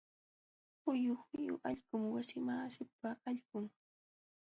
Huyu huyu allqum wasimasiipa allqun.